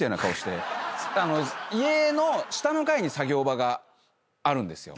家の下の階に作業場があるんですよ。